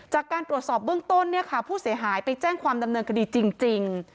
จากการตรวจสอบเบื้องต้นเนี่ยค่ะผู้เสียหายไปแจ้งความดำเนินคดีจริง